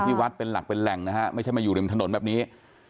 แม้ว่ามันหลักเป็นแหล่งนะฮะไม่ใช่มาอยู่ในถนนแบบนี้